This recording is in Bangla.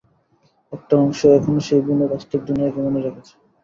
একটা অংশ এখনও সেই বুনো বাস্তব দুনিয়াকে মনে রেখেছে!